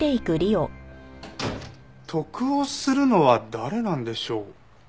得をするのは誰なんでしょう？